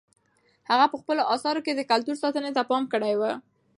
هغه په خپلو اثارو کې د کلتور ساتنې ته پام کړی و.